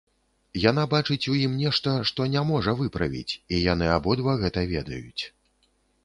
Яна бачыць у ім нешта, што не можа выправіць, і яны абодва гэта ведаюць.